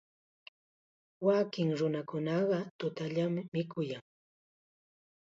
Wakin nunakunaqa tutallam mikuyan.